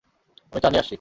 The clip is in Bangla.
আমি চা নিয়ে আসছি।